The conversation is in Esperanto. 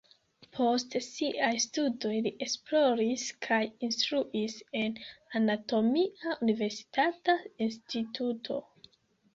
Post siaj studoj li esploris kaj instruis en anatomia universitata instituto.